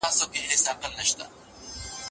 دویني ګروپ د صحي ژوند لارښوونه کوي.